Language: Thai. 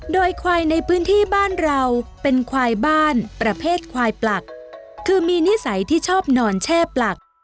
โดยควายในพื้นที่บ้านเราเป็นควายบ้านประเภทควายปลักคือมีนิสัยที่ชอบนอนแช่ปลัก